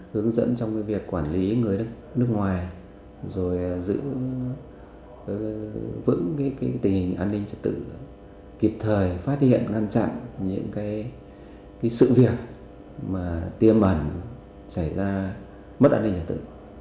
hướng dẫn trong việc quản lý người nước ngoài giữ vững tình hình an ninh trật tự kịp thời phát hiện ngăn chặn những sự việc tiêm bẩn mất an ninh trật tự